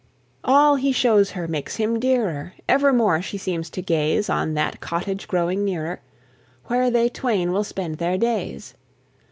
All he shows her makes him dearer; Evermore she seems to gaze On that cottage growing nearer, Where they twain will spend their days.